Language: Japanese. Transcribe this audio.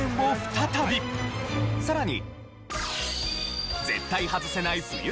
さらに！